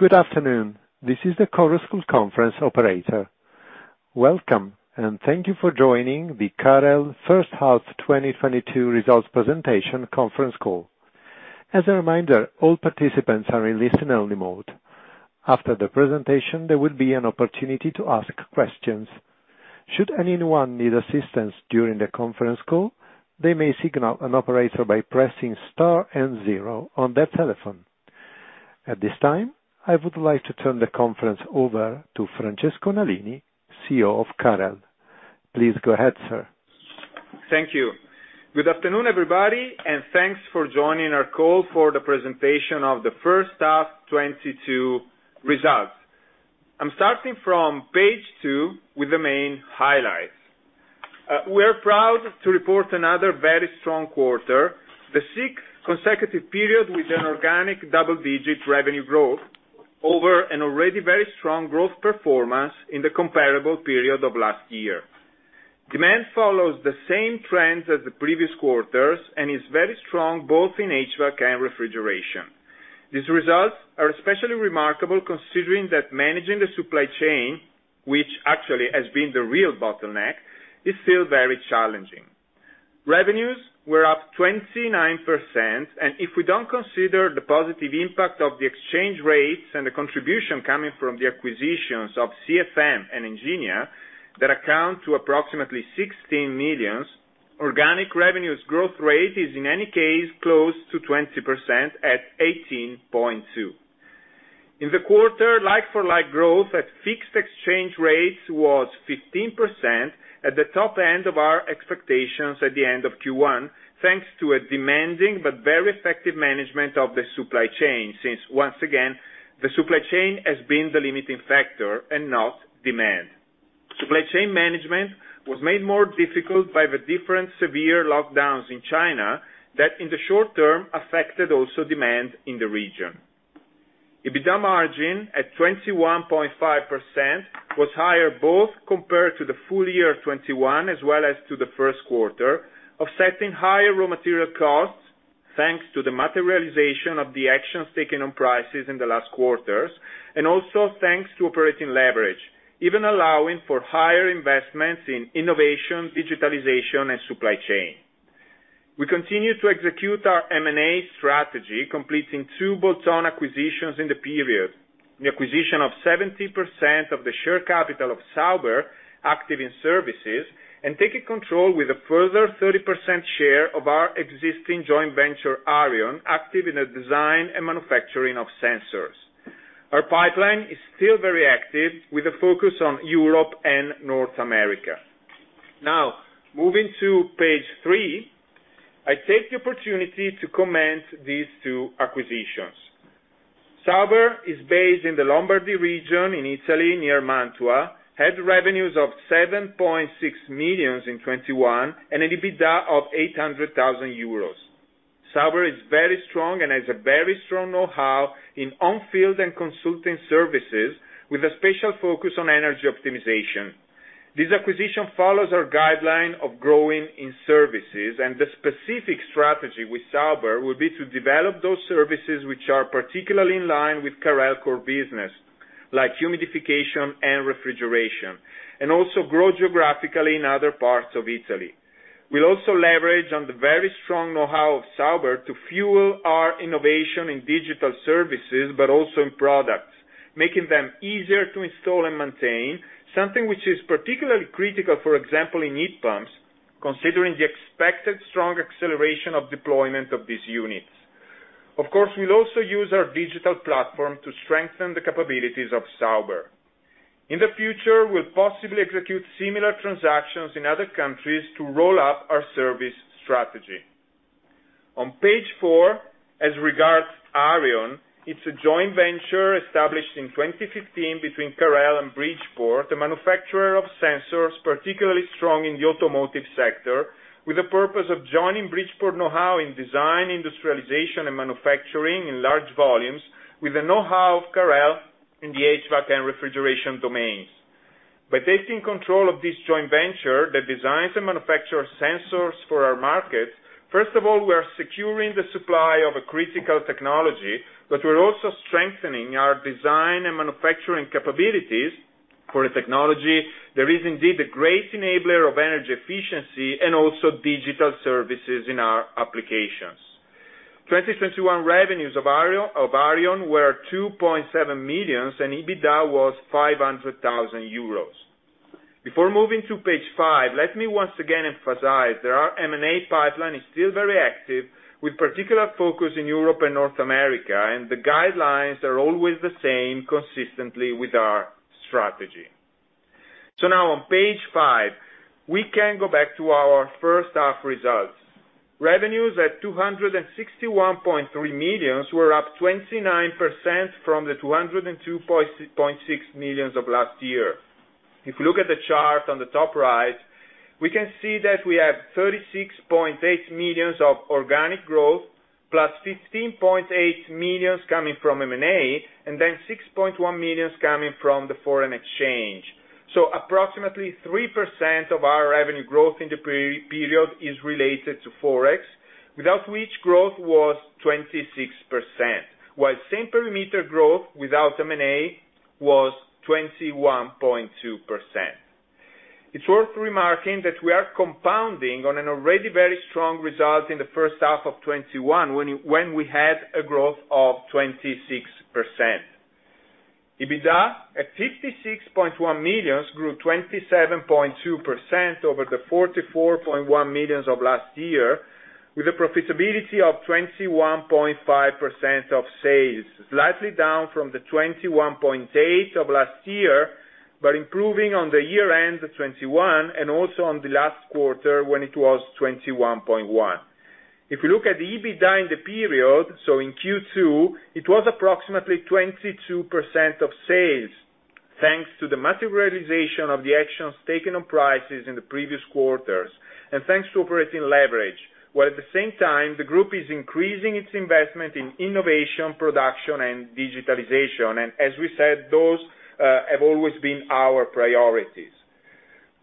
Good afternoon. This is the Chorus Call conference operator. Welcome, and thank you for joining the Carel first half 2022 results presentation conference call. As a reminder, all participants are in listen only mode. After the presentation, there will be an opportunity to ask questions. Should anyone need assistance during the conference call, they may signal an operator by pressing star and zero on their telephone. At this time, I would like to turn the conference over to Francesco Nalini, CEO of Carel. Please go ahead, sir. Thank you. Good afternoon, everybody, and thanks for joining our call for the presentation of the first half 2022 results. I'm starting from page two with the main highlights. We're proud to report another very strong quarter, the sixth consecutive period with an organic double-digit revenue growth over an already very strong growth performance in the comparable period of last year. Demand follows the same trends as the previous quarters and is very strong both in HVAC and refrigeration. These results are especially remarkable considering that managing the supply chain, which actually has been the real bottleneck, is still very challenging. Revenues were up 29%, and if we don't consider the positive impact of the exchange rates and the contribution coming from the acquisitions of CFM and Enginia, that amount to approximately 16 million, organic revenues growth rate is in any case close to 20% at 18.2%. In the quarter, like-for-like growth at fixed exchange rates was 15% at the top end of our expectations at the end of Q1, thanks to a demanding but very effective management of the supply chain, since once again, the supply chain has been the limiting factor and not demand. Supply chain management was made more difficult by the different severe lockdowns in China that, in the short term, affected also demand in the region. EBITDA margin at 21.5% was higher both compared to the full year of 2021 as well as to the first quarter, offsetting higher raw material costs, thanks to the materialization of the actions taken on prices in the last quarters, and also thanks to operating leverage, even allowing for higher investments in innovation, digitalization, and supply chain. We continue to execute our M&A strategy, completing two bolt-on acquisitions in the period. The acquisition of 70% of the share capital of Sauber, active in services, and taking control with a further 30% share of our existing joint venture, Arion, active in the design and manufacturing of sensors. Our pipeline is still very active with a focus on Europe and North America. Now, moving to page three, I take the opportunity to comment on these two acquisitions. Sauber is based in the Lombardy region in Italy, near Mantua, had revenues of 7.6 million in 2021, and an EBITDA of 800,000 euros. Sauber is very strong and has a very strong know-how in on-field and consulting services with a special focus on energy optimization. This acquisition follows our guideline of growing in services, and the specific strategy with Sauber will be to develop those services which are particularly in line with Carel core business, like humidification and refrigeration, and also grow geographically in other parts of Italy. We'll also leverage on the very strong know-how of Sauber to fuel our innovation in digital services, but also in products, making them easier to install and maintain, something which is particularly critical, for example, in heat pumps, considering the expected strong acceleration of deployment of these units. Of course, we'll also use our digital platform to strengthen the capabilities of Sauber. In the future, we'll possibly execute similar transactions in other countries to roll up our service strategy. On page four, as regards Arion, it's a joint venture established in 2015 between Carel and Bridgeport, a manufacturer of sensors, particularly strong in the automotive sector, with the purpose of joining Bridgeport know-how in design, industrialization, and manufacturing in large volumes with the know-how of Carel in the HVAC and refrigeration domains. By taking control of this joint venture that designs and manufacture sensors for our markets, first of all, we are securing the supply of a critical technology, but we're also strengthening our design and manufacturing capabilities for a technology that is indeed a great enabler of energy efficiency and also digital services in our applications. 2021 revenues of Arion were 2.7 million, and EBITDA was 500,000 euros. Before moving to page five, let me once again emphasize that our M&A pipeline is still very active with particular focus in Europe and North America, and the guidelines are always the same consistently with our strategy. Now on page five, we can go back to our first half results. Revenues at 261.3 million were up 29% from the 202.6 million of last year. If you look at the chart on the top right, we can see that we have 36.8 million of organic growth, plus 15.8 million coming from M&A, and then 6.1 million coming from the foreign exchange. Approximately 3% of our revenue growth in the period is related to Forex. Without which growth was 26%, while same perimeter growth without M&A was 21.2%. It's worth remarking that we are compounding on an already very strong result in the first half of 2021 when we had a growth of 26%. EBITDA, at 56.1 million, grew 27.2% over the 44.1 million of last year, with a profitability of 21.5% of sales, slightly down from the 21.8% of last year, but improving on the year-end of 2021 and also on the last quarter when it was 21.1%. If you look at the EBITDA in the period, so in Q2, it was approximately 22% of sales, thanks to the materialization of the actions taken on prices in the previous quarters, and thanks to operating leverage, while at the same time, the group is increasing its investment in innovation, production, and digitalization. As we said, those have always been our priorities.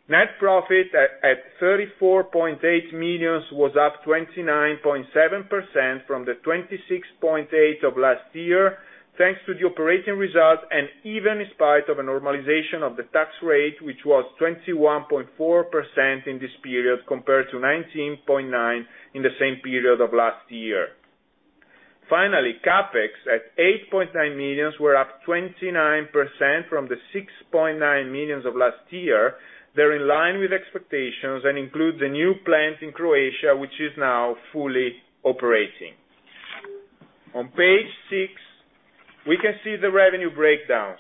Net profit at 34.8 million was up 29.7% from the 26.8 million of last year, thanks to the operating result and even in spite of a normalization of the tax rate, which was 21.4% in this period, compared to 19.9% in the same period of last year. Finally, CapEx at 8.9 million were up 29% from the 6.9 million of last year. They're in line with expectations and include the new plant in Croatia, which is now fully operating. On page six, we can see the revenue breakdowns.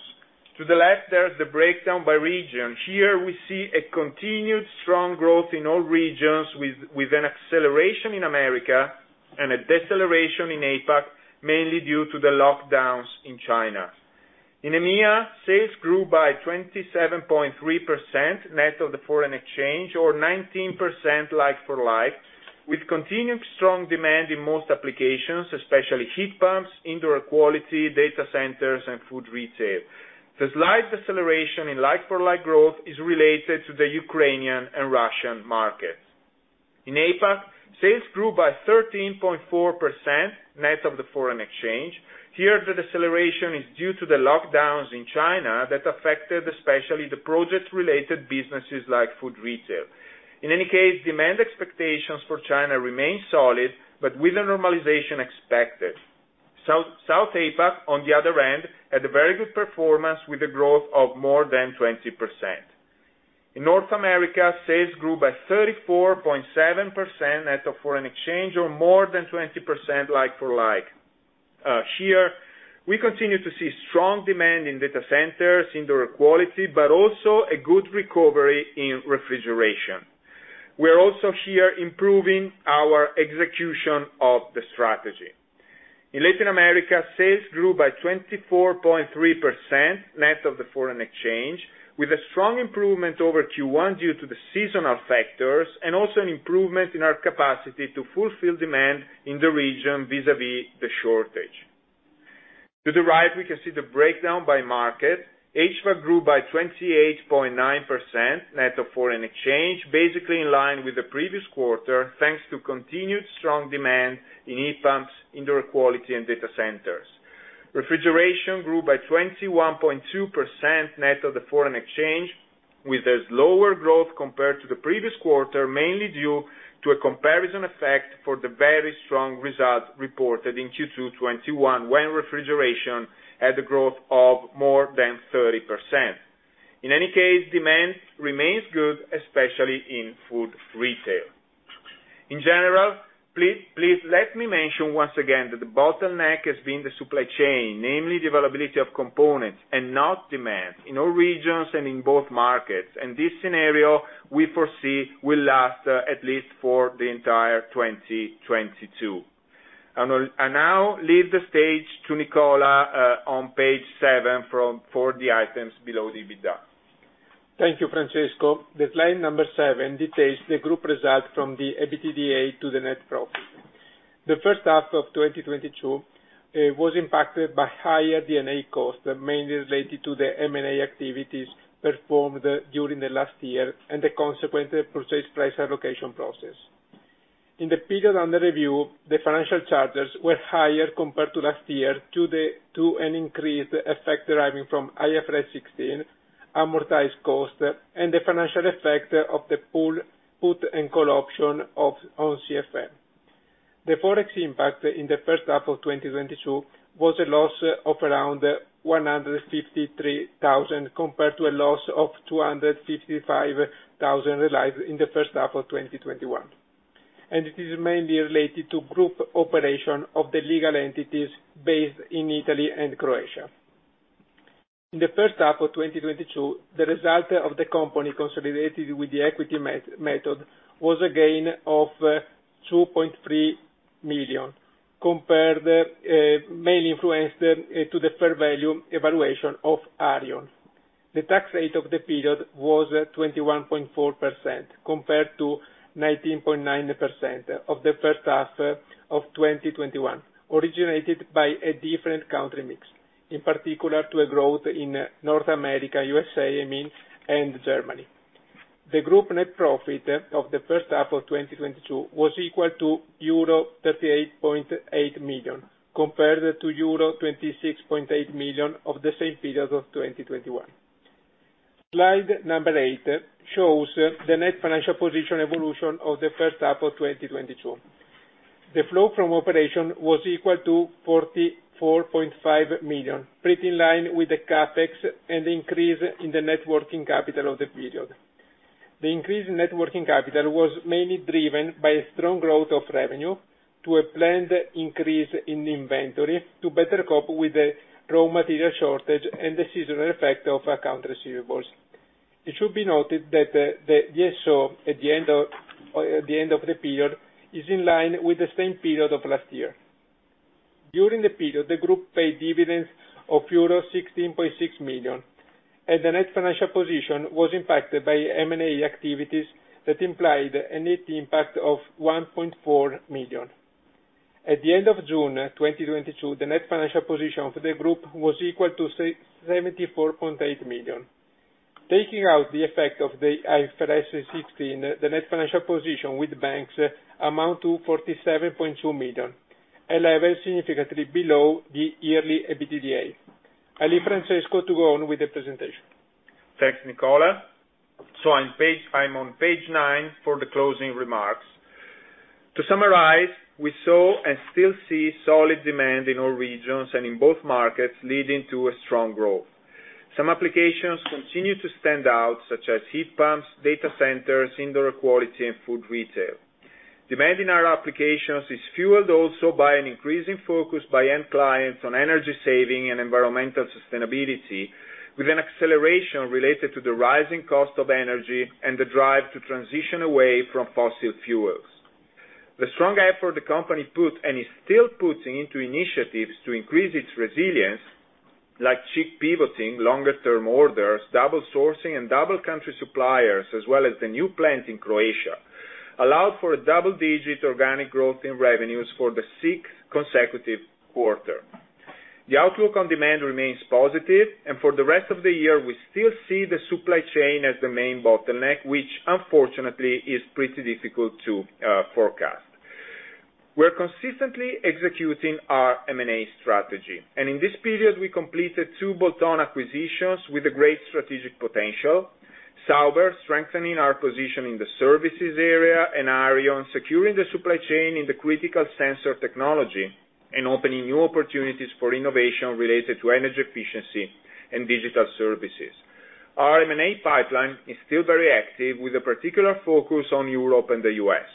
To the left, there is the breakdown by region. Here we see a continued strong growth in all regions with an acceleration in America and a deceleration in APAC, mainly due to the lockdowns in China. In EMEA, sales grew by 27.3% net of the foreign exchange, or 19% like-for-like, with continued strong demand in most applications, especially heat pumps, indoor quality, data centers, and food retail. The slight deceleration in like-for-like growth is related to the Ukrainian and Russian markets. In APAC, sales grew by 13.4% net of the foreign exchange. Here, the deceleration is due to the lockdowns in China that affected especially the project-related businesses like food retail. In any case, demand expectations for China remain solid, but with a normalization expected. South APAC, on the other hand, had a very good performance with a growth of more than 20%. In North America, sales grew by 34.7% net of foreign exchange or more than 20% like-for-like. Here we continue to see strong demand in data centers, indoor quality, but also a good recovery in refrigeration. We are also here improving our execution of the strategy. In Latin America, sales grew by 24.3% net of the foreign exchange, with a strong improvement over Q1 due to the seasonal factors and also an improvement in our capacity to fulfill demand in the region vis-à-vis the shortage. To the right, we can see the breakdown by market. HVAC grew by 28.9% net of foreign exchange, basically in line with the previous quarter, thanks to continued strong demand in heat pumps, indoor quality, and data centers. Refrigeration grew by 21.2% net of the foreign exchange, with a slower growth compared to the previous quarter, mainly due to a comparison effect for the very strong result reported in Q2 2021, when refrigeration had a growth of more than 30%. In any case, demand remains good, especially in food retail. In general, please let me mention once again that the bottleneck has been the supply chain, namely the availability of components and not demand in all regions and in both markets. This scenario, we foresee, will last at least for the entire 2022. I now leave the stage to Nicola, on page seven for the items below the EBITDA. Thank you, Francesco. The slide number seven details the group results from the EBITDA to the net profit. The first half of 2022 was impacted by higher D&A costs, mainly related to the M&A activities performed during the last year and the consequent purchase price allocation process. In the period under review, the financial charges were higher compared to last year due to an increased effect deriving from IFRS 16, amortized cost, and the financial effect of the put and call option of CFM. The Forex impact in the first half of 2022 was a loss of around 153,000, compared to a loss of 255,000 realized in the first half of 2021. It is mainly related to group operation of the legal entities based in Italy and Croatia. In the first half of 2022, the result of the company consolidated with the equity method was a gain of 2.3 million compared mainly influenced to the fair value evaluation of Arion. The tax rate of the period was 21.4%, compared to 19.9% of the first half of 2021, originated by a different country mix, in particular to a growth in North America, U.S.A., I mean, and Germany. The group net profit of the first half of 2022 was equal to euro 38.8 million, compared to euro 26.8 million of the same period of 2021. Slide number eight shows the net financial position evolution of the first half of 2022. The cash flow from operations was equal to 44.5 million, pretty in line with the CapEx and the increase in the net working capital of the period. The increase in net working capital was mainly driven by a strong growth of revenue and a planned increase in inventory to better cope with the raw material shortage and the seasonal effect of accounts receivable. It should be noted that the DSO at the end of the period is in line with the same period of last year. During the period, the group paid dividends of euros 16.6 million, and the net financial position was impacted by M&A activities that implied a net impact of 1.4 million. At the end of June 2022, the net financial position for the group was equal to 74.8 million. Taking out the effect of the IFRS 16, the net financial position with banks amount to 47.2 million, a level significantly below the yearly EBITDA. I leave Francesco to go on with the presentation. Thanks, Nicola. On page nine for the closing remarks. To summarize, we saw and still see solid demand in all regions and in both markets leading to a strong growth. Some applications continue to stand out, such as heat pumps, data centers, indoor quality and food retail. Demand in our applications is fueled also by an increasing focus by end clients on energy saving and environmental sustainability, with an acceleration related to the rising cost of energy and the drive to transition away from fossil fuels. The strong effort the company put and is still putting into initiatives to increase its resilience, like chip pivoting, longer-term orders, double sourcing and double country suppliers, as well as the new plant in Croatia, allowed for a double-digit organic growth in revenues for the sixth consecutive quarter. The outlook on demand remains positive, and for the rest of the year we still see the supply chain as the main bottleneck, which unfortunately is pretty difficult to forecast. We're consistently executing our M&A strategy, and in this period we completed two bolt-on acquisitions with a great strategic potential. Sauber, strengthening our position in the services area, and Arion, securing the supply chain in the critical sensor technology and opening new opportunities for innovation related to energy efficiency and digital services. Our M&A pipeline is still very active, with a particular focus on Europe and the U.S.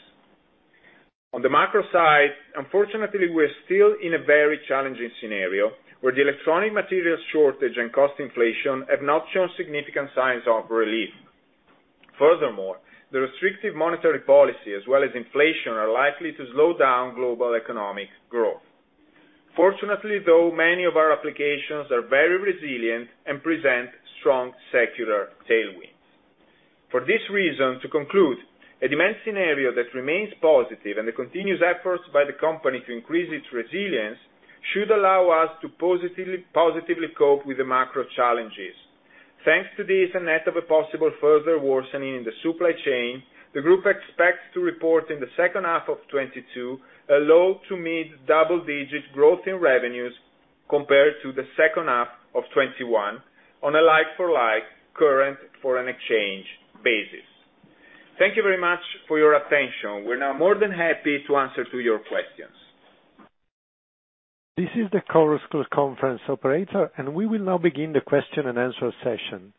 On the macro side, unfortunately we're still in a very challenging scenario, where the electronic material shortage and cost inflation have not shown significant signs of relief. Furthermore, the restrictive monetary policy as well as inflation are likely to slow down global economic growth. Fortunately, though, many of our applications are very resilient and present strong secular tailwinds. For this reason, to conclude, a demand scenario that remains positive and the continuous efforts by the company to increase its resilience should allow us to positively cope with the macro challenges. Thanks to this, and net of a possible further worsening in the supply chain, the group expects to report in the second half of 2022 a low- to mid-double-digit growth in revenues compared to the second half of 2021 on a like-for-like current foreign exchange basis. Thank you very much for your attention. We're now more than happy to answer your questions. This is the Chorus Call conference operator, and we will now begin the question and answer session.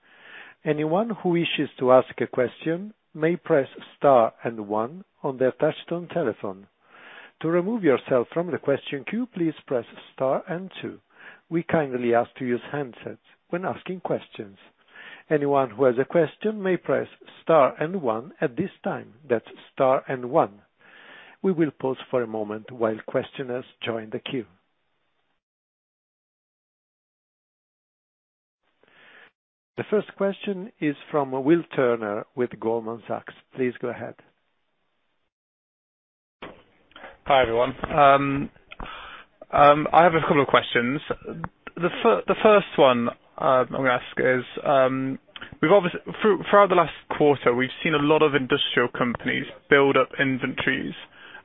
Anyone who wishes to ask a question may press star and one on their touch tone telephone. To remove yourself from the question queue, please press star and two. We kindly ask to use handsets when asking questions. Anyone who has a question may press star and one at this time. That's star and one. We will pause for a moment while questioners join the queue. The first question is from Will Turner with Goldman Sachs. Please go ahead. Hi, everyone. I have a couple of questions. The first one I'm gonna ask is, we've obviously throughout the last quarter, we've seen a lot of industrial companies build up inventories.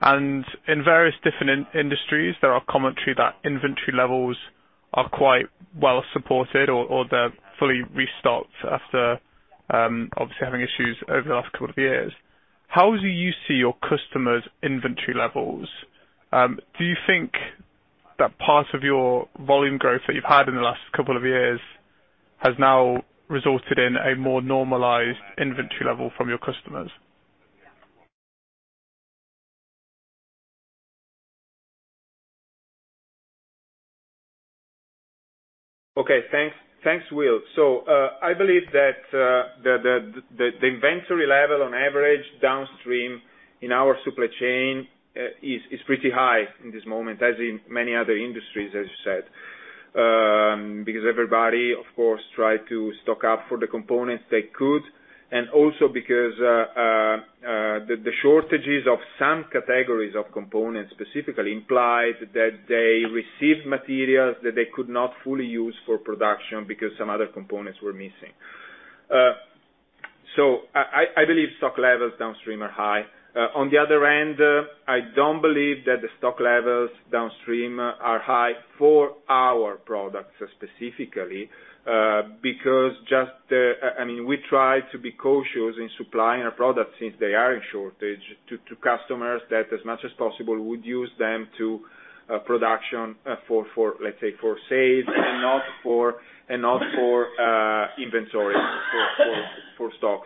In various different industries, there are commentary that inventory levels are quite well supported or they're fully restocked after obviously having issues over the last couple of years. How do you see your customers' inventory levels? Do you think that part of your volume growth that you've had in the last couple of years has now resulted in a more normalized inventory level from your customers? Okay. Thanks. Thanks, Will. I believe that the inventory level on average downstream in our supply chain is pretty high in this moment, as in many other industries, as you said, because everybody of course tried to stock up for the components they could and also because the shortages of some categories of components specifically implies that they received materials that they could not fully use for production because some other components were missing. I believe stock levels downstream are high. On the other end, I don't believe that the stock levels downstream are high for our products specifically, because just, I mean, we try to be cautious in supplying our products since they are in shortage to customers that as much as possible would use them to production for, let's say, for sale and not for inventory for stock.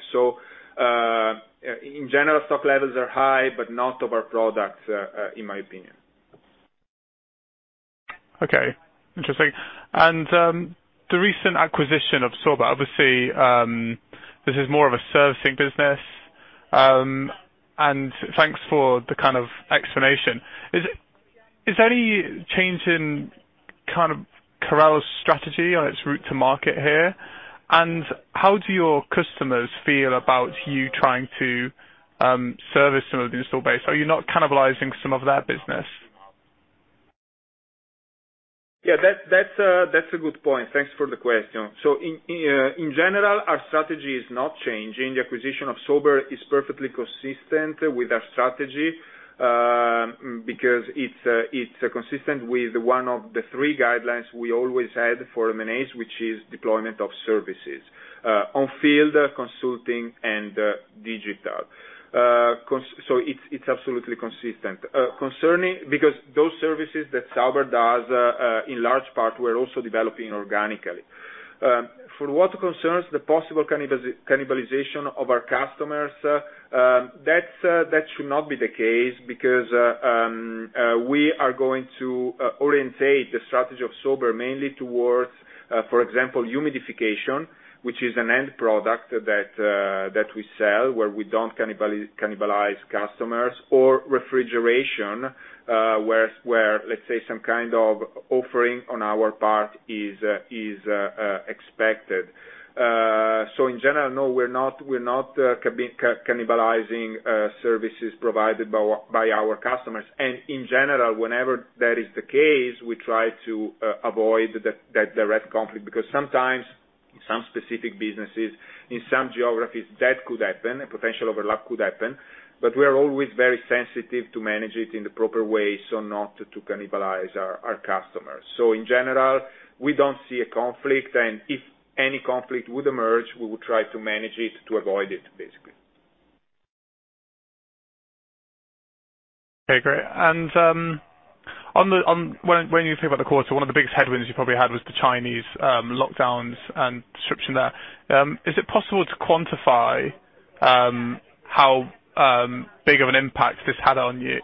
In general, stock levels are high, but not of our products, in my opinion. Okay. Interesting. The recent acquisition of Sauber, obviously, this is more of a servicing business. Thanks for the kind of explanation. Is there any change in kind of Carel's strategy on its route to market here? How do your customers feel about you trying to service some of the install base? Are you not cannibalizing some of their business? Yeah, that's a good point. Thanks for the question. In general, our strategy is not changing. The acquisition of Sauber is perfectly consistent with our strategy, because it's consistent with one of the three guidelines we always had for M&As, which is deployment of services, on field consulting and digital. It's absolutely consistent. Concerning, because those services that Sauber does, in large part we're also developing organically. For what concerns the possible cannibalization of our customers, that's not the case because we are going to orientate the strategy of Sauber mainly towards, for example, humidification, which is an end product that we sell, where we don't cannibalize customers, or refrigeration, where let's say some kind of offering on our part is expected. In general, no, we're not cannibalizing services provided by our customers. In general, whenever that is the case, we try to avoid the direct conflict, because sometimes in some specific businesses, in some geographies, that could happen. A potential overlap could happen. We are always very sensitive to manage it in the proper way, so not to cannibalize our customers. In general, we don't see a conflict, and if any conflict would emerge, we would try to manage it to avoid it, basically. Okay, great. When you think about the quarter, one of the biggest headwinds you probably had was the Chinese lockdowns and disruption there. Is it possible to quantify how big of an impact this had on you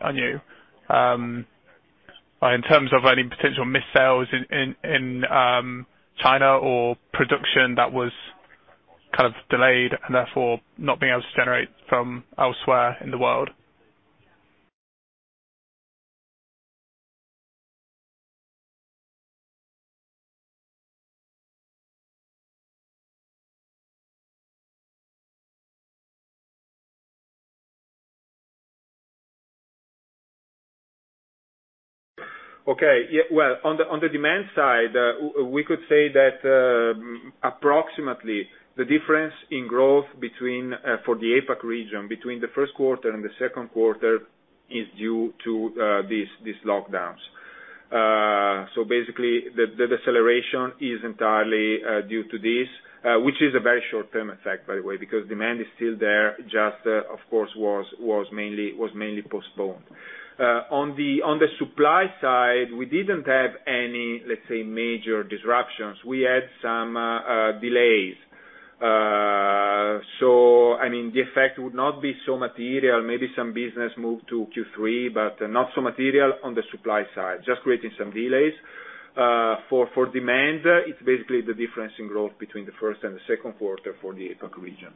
in terms of any potential missed sales in China or production that was kind of delayed, and therefore not being able to generate from elsewhere in the world? Okay. Yeah. Well, on the demand side, we could say that approximately the difference in growth between for the APAC region, between the first quarter and the second quarter is due to these lockdowns. So basically the deceleration is entirely due to this, which is a very short-term effect, by the way, because demand is still there, just of course was mainly postponed. On the supply side, we didn't have any, let's say, major disruptions. We had some delays. So I mean, the effect would not be so material. Maybe some business moved to Q3, but not so material on the supply side, just creating some delays. For demand, it's basically the difference in growth between the first and the second quarter for the APAC region.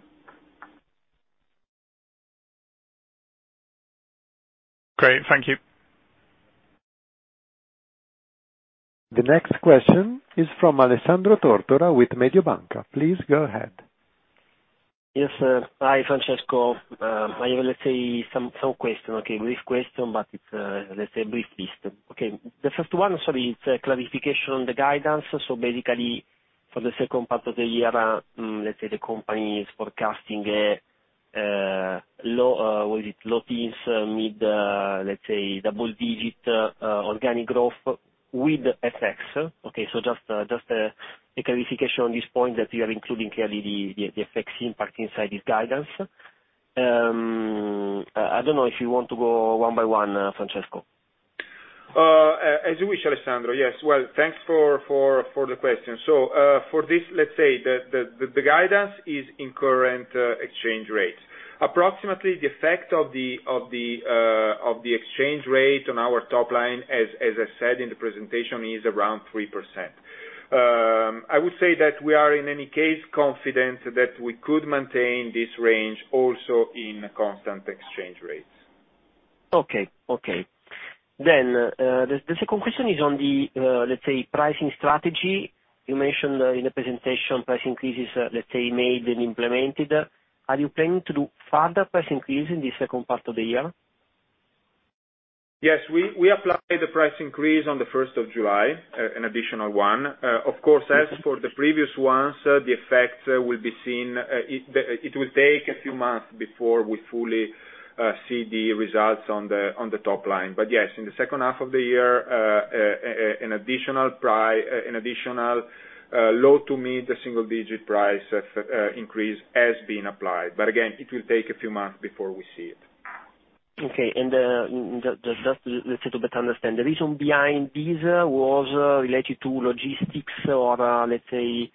Great. Thank you. The next question is from Alessandro Tortora with Mediobanca. Please go ahead. Yes. Hi, Francesco. I have, let's say, some question, okay, brief question, but it's, let's say brief list. Okay. The first one, sorry, it's a clarification on the guidance. Basically for the second part of the year, let's say the company is forecasting a low teens, mid, let's say double-digit organic growth with FX. Okay, just a clarification on this point that you are including clearly the FX impact inside this guidance. I don't know if you want to go one by one, Francesco. As you wish, Alessandro. Yes. Thanks for the question. For this, let's say the guidance is in current exchange rates. Approximately the effect of the exchange rate on our top line, as I said in the presentation, is around 3%. I would say that we are, in any case, confident that we could maintain this range also in constant exchange rates. The second question is on the, let's say, pricing strategy. You mentioned in the presentation price increases, let's say made and implemented. Are you planning to do further price increase in the second part of the year? Yes, we applied the price increase on the first of July, an additional one. Of course, as for the previous ones, the effects will be seen. It will take a few months before we fully see the results on the top line. Yes, in the second half of the year, an additional low- to mid-single-digit price increase has been applied. Again, it will take a few months before we see it. Okay. Just let's say, to better understand. The reason behind this was related to logistics or, let's say,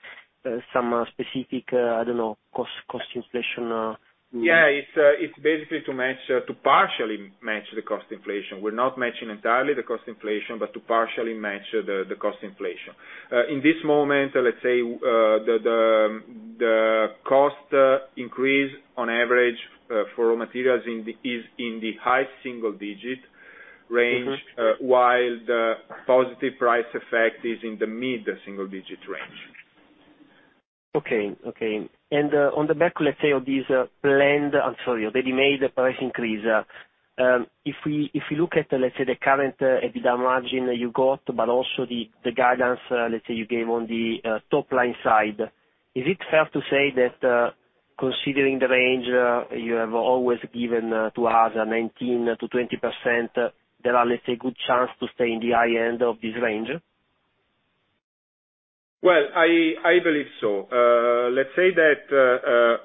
some specific, I don't know, cost inflation. Yeah. It's basically to partially match the cost inflation. We're not matching entirely the cost inflation, but to partially match the cost inflation. In this moment, let's say, the cost increase on average for raw materials is in the high single digit range. Mm-hmm. While the positive price effect is in the mid-single-digit range. On the back of this price increase that you made. If we look at the current EBITDA margin you got, but also the guidance you gave on the top line side, is it fair to say that considering the range you have always given to us, 19%-20%, there are good chance to stay in the high end of this range? Well, I believe so. Let's say that,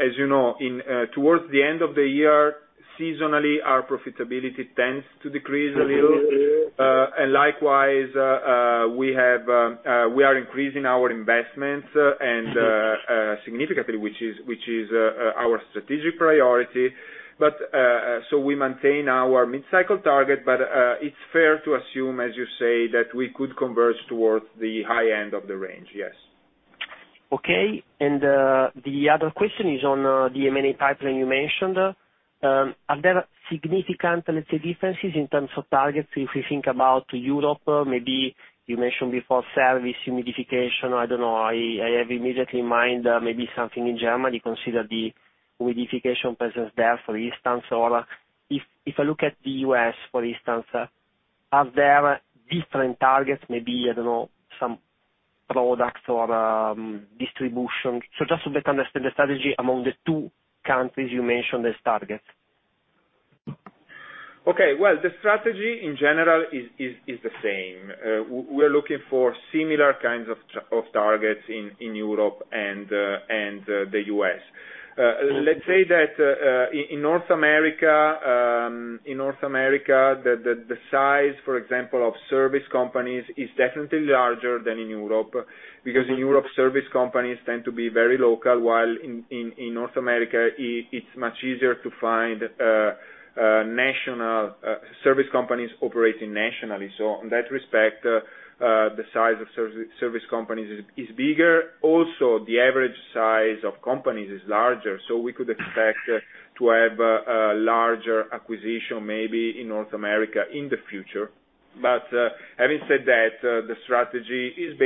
as you know, in towards the end of the year, seasonally, our profitability tends to decrease a little. Mm-hmm. Likewise, we are increasing our investments and. Mm-hmm. Significantly, which is our strategic priority. We maintain our mid-cycle target, but it's fair to assume, as you say, that we could converge towards the high end of the range. Yes. Okay. The other question is on the M&A pipeline you mentioned. Are there significant, let's say, differences in terms of targets if we think about Europe? Maybe you mentioned before service humidification. I don't know. I have immediately in mind, maybe something in Germany, consider the humidification presence there, for instance. Or if I look at the U.S., for instance, are there different targets, maybe, I don't know, some products or, distribution. So just to better understand the strategy among the two countries you mentioned as targets. Okay. Well, the strategy in general is the same. We're looking for similar kinds of targets in Europe and the U.S. Let's say that in North America, the size, for example, of service companies is definitely larger than in Europe, because in Europe, service companies tend to be very local, while in North America, it's much easier to find national service companies operating nationally. In that respect, the size of service companies is bigger. Also, the average size of companies is larger, so we could expect to have a larger acquisition, maybe in North America in the future. But having said that, the strategy is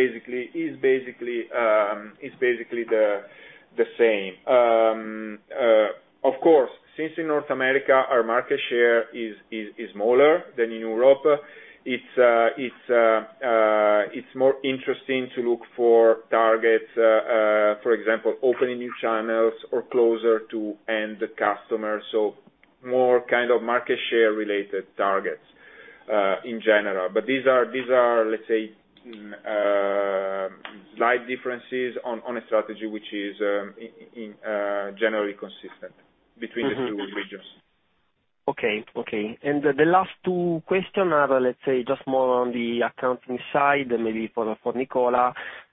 basically the same. Of course, since in North America, our market share is smaller than in Europe, it's more interesting to look for targets, for example, opening new channels or closer to end customers. More kind of market share related targets, in general. These are, let's say, slight differences on a strategy which is generally consistent between the two regions. Mm-hmm. Okay. Okay. The last two questions are, let's say, just more on the accounting side, maybe for Nicola.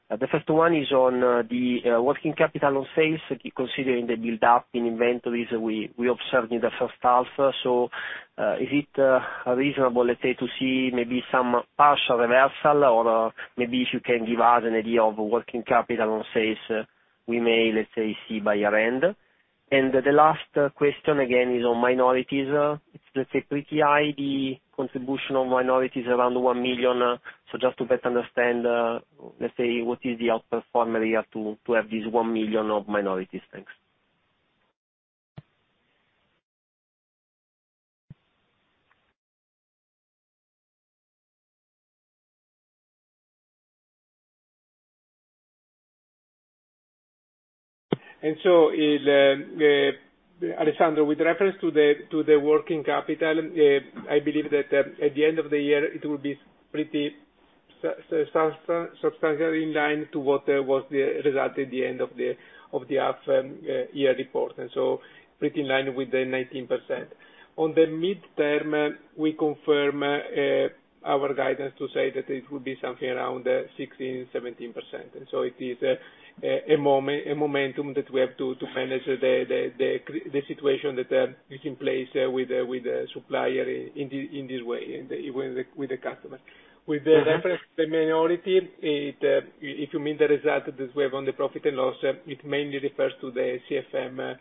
The first one is on the working capital on sales, considering the build-up in inventories we observed in the first half. Is it reasonable, let's say, to see maybe some partial reversal? Or maybe if you can give us an idea of working capital on sales we may see by year-end. The last question, again, is on minorities. It's, let's say, pretty high, the contribution of minorities around 1 million. Just to better understand, let's say, what is the outperformance you have to have this 1 million of minorities. Thanks. Is, Alessandro, with reference to the working capital, I believe that at the end of the year, it will be pretty substantially in line to what was the result at the end of the half year report, pretty in line with the 19%. On the midterm, we confirm our guidance to say that it will be something around 16%-17%. It is a momentum that we have to manage the situation that is in place with the supplier in this way and with the customer. Mm-hmm. With the reference to the minority, if you mean the result that we have on the profit and loss, it mainly refers to the CFM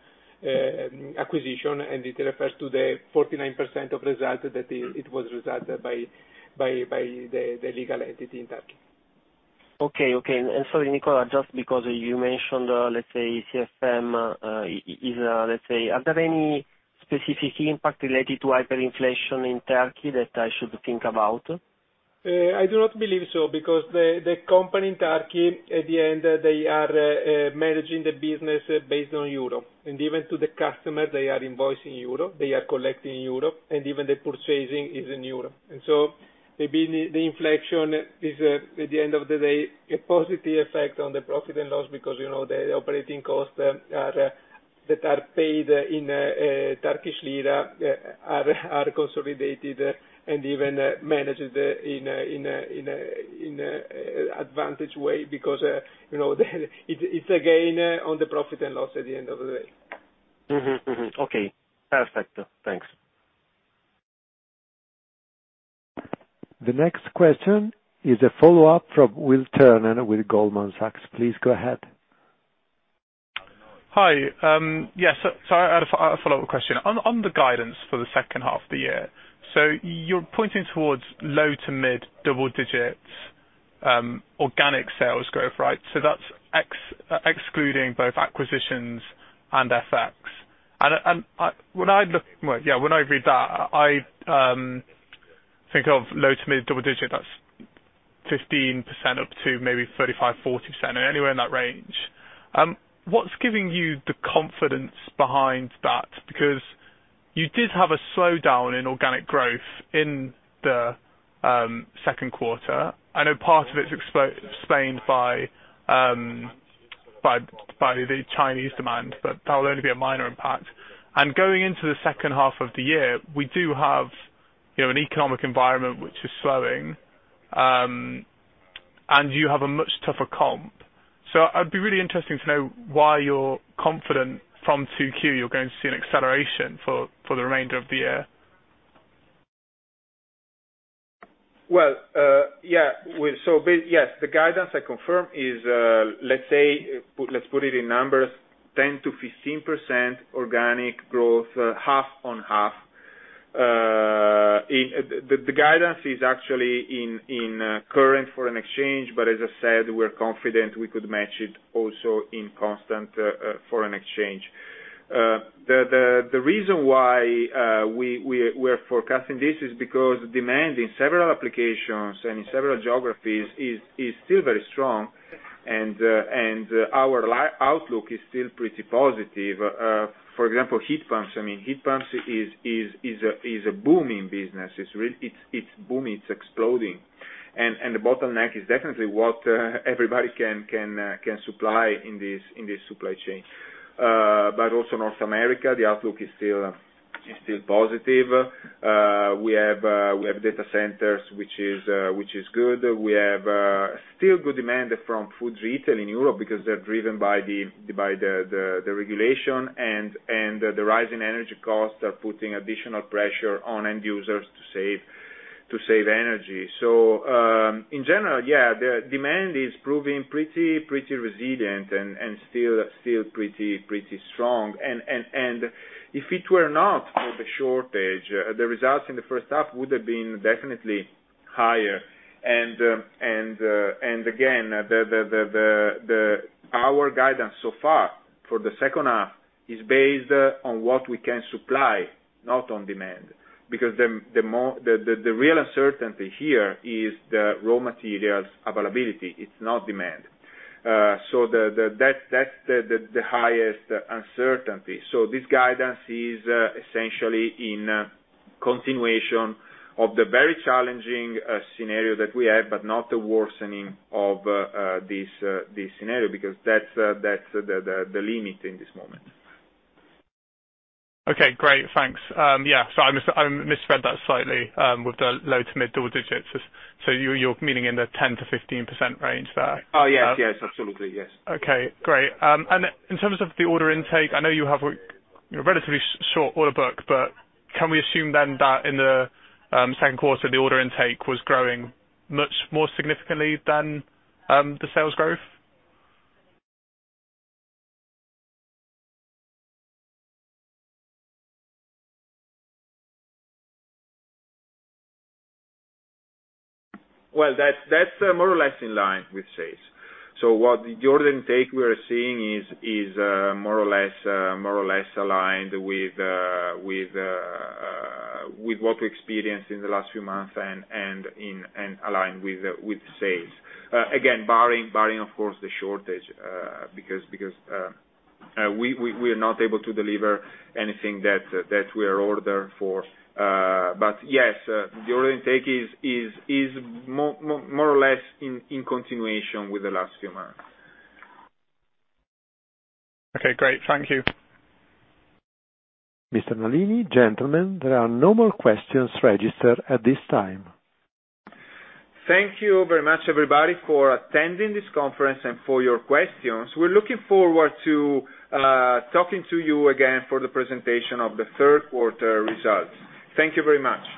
acquisition, and it refers to the 49% of result that it was resulted by the legal entity in Turkey. Sorry, Nicola, just because you mentioned, let's say CFM, let's say, are there any specific impact related to hyperinflation in Turkey that I should think about? I do not believe so because the company in Turkey, at the end, they are managing the business based on euro. Even to the customer, they are invoicing euro, they are collecting euro, and even the purchasing is in euro. The inflation is, at the end of the day, a positive effect on the profit and loss because, you know, the operating costs that are paid in Turkish lira are consolidated and even managed in an advantageous way because, you know, it's a gain on the profit and loss at the end of the day. Mm-hmm. Okay. Perfect. Thanks. The next question is a follow-up from Will Turner with Goldman Sachs. Please go ahead. Hi. Yes, so I had a follow-up question. On the guidance for the second half of the year. You're pointing towards low to mid double digits, organic sales growth, right? That's excluding both acquisitions and FX. Well, yeah, when I read that, I think of low to mid double digit, that's 15% up to maybe 35%, 40%, anywhere in that range. What's giving you the confidence behind that? Because you did have a slowdown in organic growth in the second quarter. I know part of it is explained by the Chinese demand, but that will only be a minor impact. Going into the second half of the year, we do have, you know, an economic environment which is slowing, and you have a much tougher comp. I'd be really interested to know why you're confident from 2Q, you're going to see an acceleration for the remainder of the year. Yes, the guidance I confirm is, let's say, let's put it in numbers, 10%-15% organic growth, half on half. The guidance is actually in current foreign exchange, but as I said, we're confident we could match it also in constant foreign exchange. The reason why we are forecasting this is because demand in several applications and in several geographies is still very strong and our outlook is still pretty positive. For example, heat pumps. I mean, heat pumps is a booming business. It's booming. It's exploding. The bottleneck is definitely what everybody can supply in this supply chain. Also, North America, the outlook is still positive. We have data centers, which is good. We have still good demand from food retail in Europe because they're driven by the regulation and the rising energy costs are putting additional pressure on end users to save energy. In general, yeah, the demand is proving pretty resilient and still pretty strong. If it were not for the shortage, the results in the first half would have been definitely higher. And again, our guidance so far for the second half is based on what we can supply, not on demand. Because the real uncertainty here is the raw materials availability. It's not demand. That's the highest uncertainty. This guidance is essentially in continuation of the very challenging scenario that we have, but not the worsening of this scenario, because that's the limit in this moment. Okay, great. Thanks. Yeah. I misread that slightly, with the low to mid double digits. You, you're meaning in the 10%-15% range there? Oh, yes. Yes. Absolutely, yes. Okay, great. In terms of the order intake, I know you have a, you know, relatively short order book, but can we assume then that in the second quarter, the order intake was growing much more significantly than the sales growth? Well, that's more or less in line with sales. What the order intake we are seeing is more or less aligned with what we experienced in the last few months and aligned with sales. Again, barring of course the shortage, because we are not able to deliver anything that we are ordered for. Yes, the order intake is more or less in continuation with the last few months. Okay, great. Thank you. Mr. Nalini, gentlemen, there are no more questions registered at this time. Thank you very much, everybody, for attending this conference and for your questions. We're looking forward to talking to you again for the presentation of the third quarter results. Thank you very much.